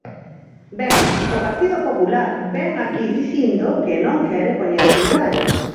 Ben, o Partido Popular vén aquí dicindo que non quere poñerse medallas.